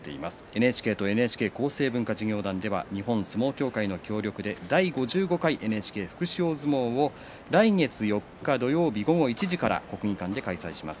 ＮＨＫとＮＨＫ厚生文化事業団では日本相撲協会の協力で第５５回ＮＨＫ福祉大相撲を来月４日土曜日午後１時から国技館で開催します。